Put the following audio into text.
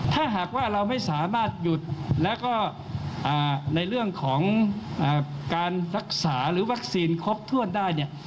ถ้าหากว่าเราไม่สามารถหยุดแล้วก็ในเรื่องของการรักษาหรือวัคซีนครบถ้วนได้เนี่ย